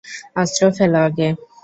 অস্ত্র ফেলো আগে!